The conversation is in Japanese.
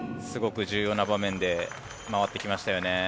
すごく重要な場面で回ってきましたよね。